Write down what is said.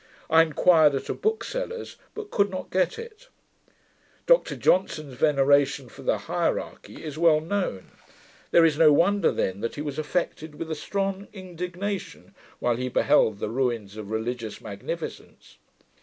I inquired at a bookseller's, but could not get it. Dr Johnson's veneration for the Hierarchy is well known. There is no wonder then, that he was affected with a strong indignation, while he beheld the ruins of religious magnificence.